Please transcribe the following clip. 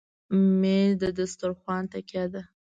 مېز د دسترخوان تکیه ده.